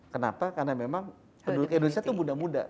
kenapa karena memang penduduk indonesia itu muda muda